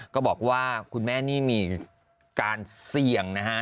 ก็บอกว่าคุณแม่นี่มีการเสี่ยงนะฮะ